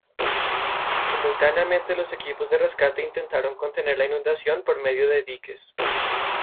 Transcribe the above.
Simultáneamente los equipos de rescate intentaron contener la inundación por medio de diques.